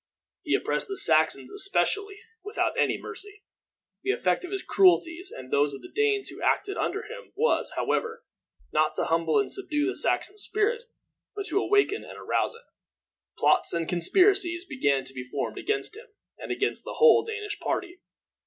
He oppressed the Saxons especially without any mercy. The effect of his cruelties, and those of the Danes who acted under him, was, however, not to humble and subdue the Saxon spirit, but to awaken and arouse it. Plots and conspiracies began to be formed against him, and against the whole Danish party.